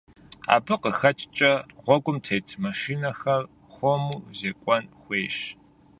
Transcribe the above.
Абы къыхэкӀкӀэ, гъуэгум тет машинэр хуэму зекӀуэн хуейщ.